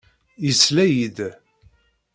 Yesla-iyi-d.